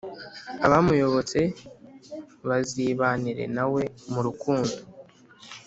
abamuyobotse bazibanire na we mu rukundo,